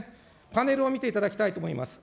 パネルを見ていただきたいと思います。